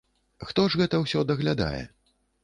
Хто ж гэта ўсё даглядае?